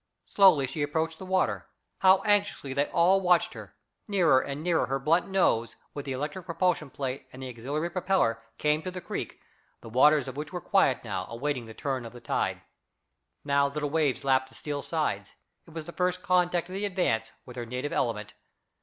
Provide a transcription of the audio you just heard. Slowly she approached the water. How anxiously they all watched her! Nearer and nearer her blunt nose, with the electric propulsion plate and the auxiliary propeller, came to the creek, the waters of which were quiet now, awaiting the turn of the tide. Now little waves lapped the steel sides. It was the first contact of the Advance with her native element.